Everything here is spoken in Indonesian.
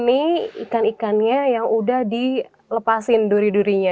ini ikan ikannya yang udah dilepasin duri durinya